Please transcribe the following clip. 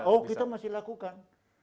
oh kita masih lakukan